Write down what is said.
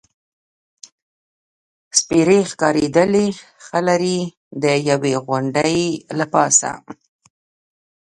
سپېرې ښکارېدلې، ښه لرې، د یوې غونډۍ له پاسه.